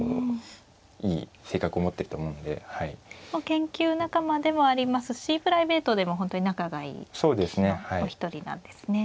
研究仲間でもありますしプライベートでも本当に仲がいい棋士のお一人なんですね。